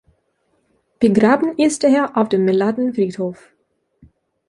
Begraben ist er auf dem Melatenfriedhof.